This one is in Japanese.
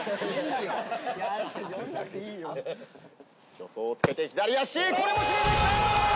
助走をつけて左足これも決めてきた！